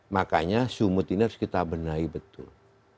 makanya sumut ini harus kita benahi betul